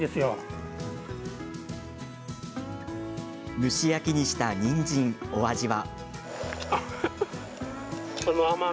蒸し焼きにした、にんじんお味は？